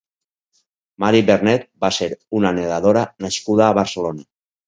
Mary Bernet va ser una nedadora nascuda a Barcelona.